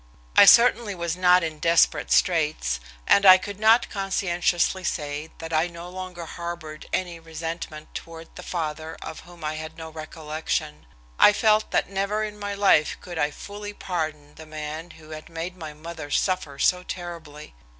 I certainly was not in desperate straits, and I could not conscientiously say that I no longer harbored any resentment toward^the father of whom I had no recollection. I felt that never in my life could I fully pardon the man who had made my mother suffer so terribly.